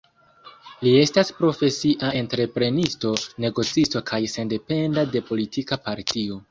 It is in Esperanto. Li estas profesia entreprenisto, negocisto kaj sendependa de politika partio.